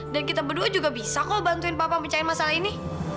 dan kita berdua juga bisa kok bantuin papa pecahin masalah ini